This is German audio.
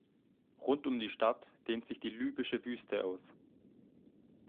Rund um die Stadt dehnt sich die libysche Wüste aus.